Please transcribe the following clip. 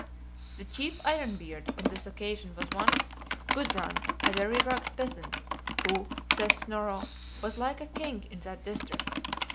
The chief Ironbeard on this occasion was one Gudbrand, a very rugged peasant; who, says Snorro, was like a king in that district.